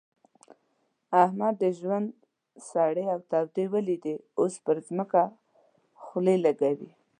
احمد د ژوند سړې او تودې وليدې؛ اوس پر ځمکه خولې لګوي.